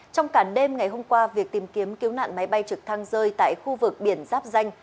trong cả đêm ngày hôm qua việc tìm kiếm cứu nạn máy bay trực thăng rơi tại khu vực biển giáp danh